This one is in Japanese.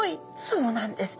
そうなんです。